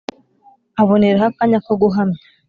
aboneraho akanya ko guhamya